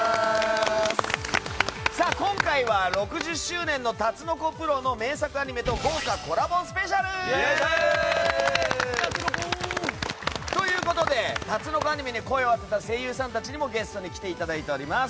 今回は６０周年のタツノコプロの名作アニメと豪華コラボスペシャル！ということで、タツノコアニメに声をあてた声優さんたちにもゲストで来ていただいております。